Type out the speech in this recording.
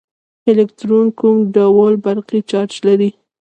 الکترون کوم ډول برقي چارچ لري.